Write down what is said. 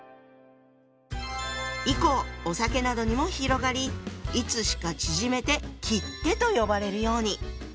以降お酒などにも広がりいつしか縮めて「切手」と呼ばれるように。